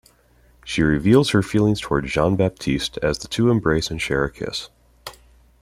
She reveals her feelings toward Jean-Baptiste as the two embrace and share a kiss.